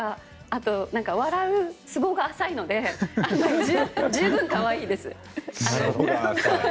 あと、笑うつぼが浅いので十分可愛いですね。